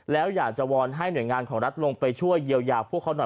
แล้วอยากจะวอนให้หน่วยงานของรัฐลงไปช่วยเยียวยาพวกเขาหน่อย